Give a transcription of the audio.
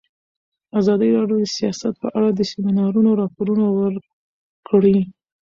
ازادي راډیو د سیاست په اړه د سیمینارونو راپورونه ورکړي.